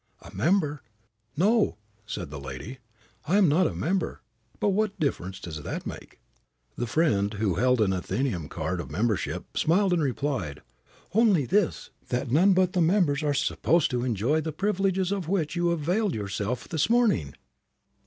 "A member! No," said the lady. "I am not a member. But what difference does that make?" The friend, who held an Athenæum card of membership, smiled and replied: "Only this, that none but members are supposed to enjoy the privileges of which you availed yourself this morning!"